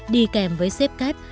đi kèm với safecab